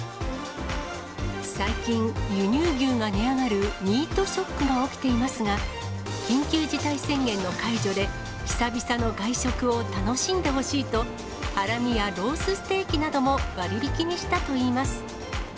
最近、輸入牛が値上がるミートショックが起きていますが、緊急事態宣言の解除で、久々の外食を楽しんでほしいと、ハラミやロースステーキなども割引にしたといいます。